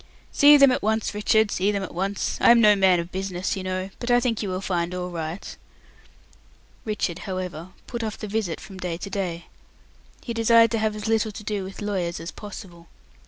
"See them at once, Richard; see them at once. I am no man of business, you know, but I think you will find all right." Richard, however, put off the visit from day to day. He desired to have as little to do with lawyers as possible.